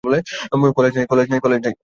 College নাই।